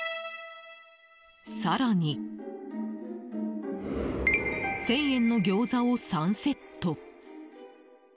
更に、１０００円のギョーザを３セット。